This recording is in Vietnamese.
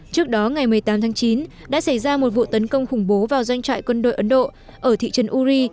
trước đó ngày một mươi tám tháng chín đã xảy ra một vụ tấn công khủng bố vào doanh trại quân đội ấn độ ở thị trấn uri